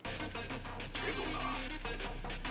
「けどな」